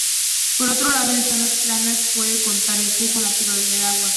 Por otro lado, en zonas planas, puede cortar el flujo natural del agua.